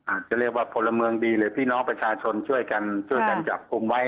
อาจจะเรียกว่าพลเมืองดีหรือพี่น้องประชาชนช่วยกันช่วยกันจับกลุ่มไว้